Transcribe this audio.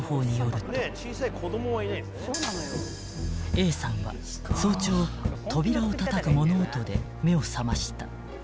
［Ａさんは早朝扉をたたく物音で目を覚ました］